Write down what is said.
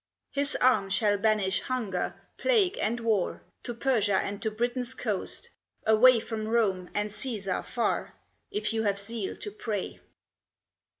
His arm shall banish Hunger, Plague, and War To Persia and to Britain's coast, away From Rome and Caesar far, If you have zeal to pray.